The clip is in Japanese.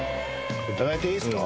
いただいていいですか？